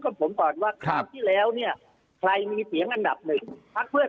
ผมก่อนว่าคราวที่แล้วเนี่ยใครมีเสียงอันดับหนึ่งพักเพื่อ